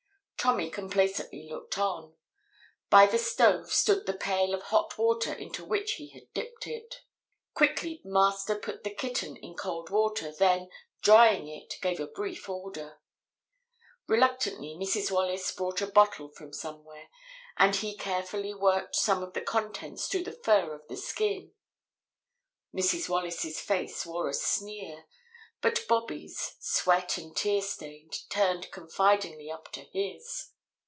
Tommy complacently looked on. By the stove stood the pail of hot water into which he had dipped it. Quickly Master put the kitten in cold water, then, drying it, gave a brief order. Reluctantly Mrs. Wallace brought a bottle from somewhere, and he carefully worked some of the contents through the fur on the skin. Mrs. Wallace's face wore a sneer, but Bobby's, sweat and tear stained, turned confidingly up to his.